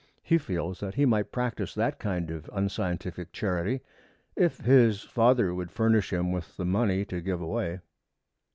He feels that he might practice that kind of unscientific charity, if his father would furnish him with the money to give away.